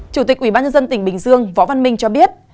chủ tịch ubnd tỉnh bình dương võ văn minh cho biết